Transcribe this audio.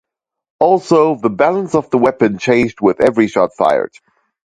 Also, the balance of the weapon changed with every shot fired.